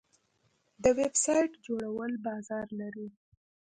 د ویب سایټ جوړول بازار لري؟